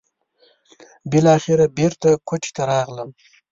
بالاخره بېرته کوټې ته راغلم.